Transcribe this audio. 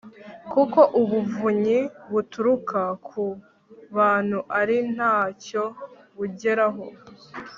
kuko ubuvunyi buturuka ku bantu ari nta cyo bugeraho